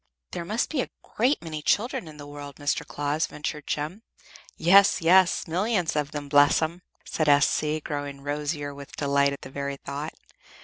"There must be a great many children in the world, Mr. Claus," ventured Jem. "Yes, yes, millions of 'em; bless 'em," said S.C., growing rosier with delight at the very thought.